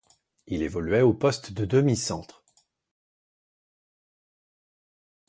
Il évoluait au poste de demi-centre.